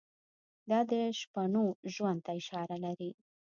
دا د شپنو ژوند ته اشاره لري.